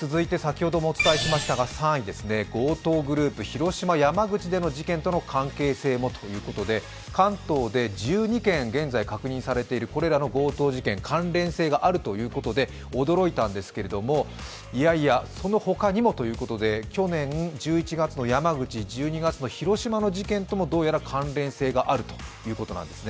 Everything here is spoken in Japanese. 続いて、３位、強盗グループ、広島、山口との事件との関連性もということで関東で１２件現在確認されているこれらの強盗事件関連性があるということで驚いたんですけれども、いやいやこの他にもということで、去年の山口、１２月の広島の事件ともどうやら関連性があるということなんてすね。